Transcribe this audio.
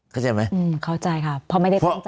เข้าใจไหมเพราะไม่ได้ตั้งใจ